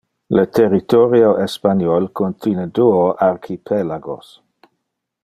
Le territorio espaniol contine duo archipelagos.